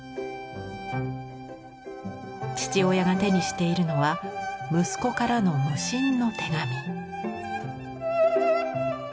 父親が手にしているのは息子からの無心の手紙。